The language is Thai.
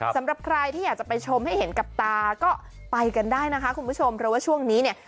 สำหรับใครที่อยากจะไปชมให้เห็นกับตาก็ไปกันได้นะคะคุณผู้ชมเพราะว่าช่วงนี้เนี่ย